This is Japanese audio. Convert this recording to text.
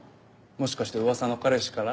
もしかして噂の彼氏から？